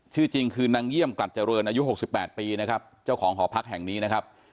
ชื่อจริงคือนางเยี่ยมกลัดเจริญอายุ๖๘ปีนะครับเจ้าของหอพักแห่งนี้นะครับ